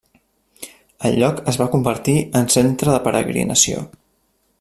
El lloc es va convertir en centre de peregrinació.